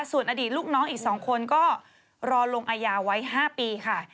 ส่วนอดีตลูกน้องอีก๒คนก็รอลงอายาไว้๕ปีค่ะ